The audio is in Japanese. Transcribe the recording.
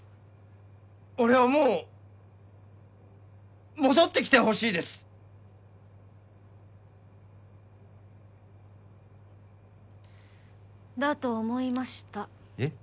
俺はもう戻ってきてほしいですだと思いましたえっ？